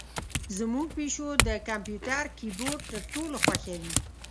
زمونږ پیشو د کمپیوتر کیبورډ تر ټولو خوښوي.